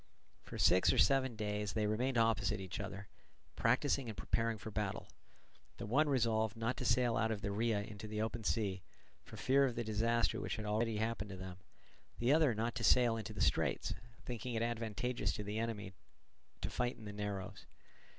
For six or seven days they remained opposite each other, practising and preparing for the battle; the one resolved not to sail out of the Rhia into the open sea, for fear of the disaster which had already happened to them, the other not to sail into the straits, thinking it advantageous to the enemy, to fight in the narrows.